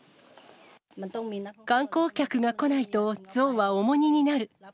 観光客が来ないと、象は重荷になる。